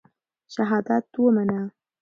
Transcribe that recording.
شهادت ومنه.